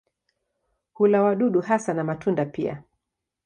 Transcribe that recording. Hula wadudu hasa na matunda pia.